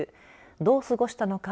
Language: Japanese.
どう過ごしたのか。